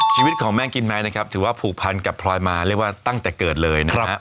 ชีวิตของแม่งกิมไนท์นะครับถือว่าผูกพันกับพลอยมาเรียกว่าตั้งแต่เกิดเลยนะฮะ